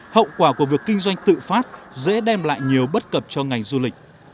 hậu quả của việc kinh doanh tự phát dễ đem lại nhiều bất cập cho ngành du lịch